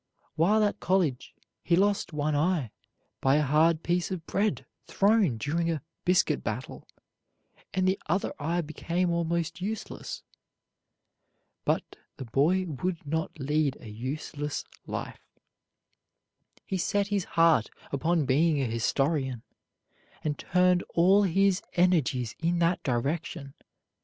While at college, he lost one eye by a hard piece of bread thrown during a "biscuit battle," and the other eye became almost useless. But the boy would not lead a useless life. He set his heart upon being a historian, and turned all his energies in that direction.